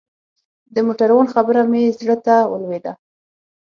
د موټروان خبره مې زړه ته ولوېده.